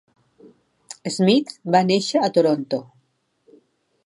Smith va néixer a Toronto.